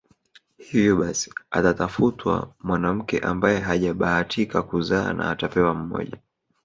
Hivyo basi atatafutwa mwanamke ambaye hajabahatika kuzaa na atapewa mmoja